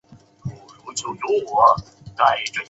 下面的合成是一个具有阻转异构选择性的合成。